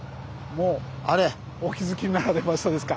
もうお気付きになられましたですか。